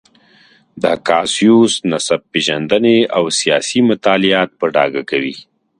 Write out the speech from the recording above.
د کاسیوس نسب پېژندنې او سیاسي مطالعات په ډاګه کوي.